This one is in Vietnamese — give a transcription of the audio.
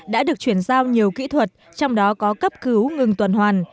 đã được chuyển giao nhiều kỹ thuật trong đó có cấp cứu ngừng tuần hoàn